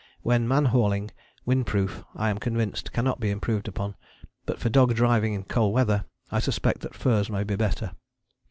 When man hauling, wind proof, I am convinced, cannot be improved upon, but for dog driving in cold weather I suspect that furs may be better.